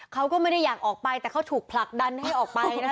เขาก็ไม่ได้อยากออกไปแต่เขาถูกผลักดันให้ออกไปนะคะ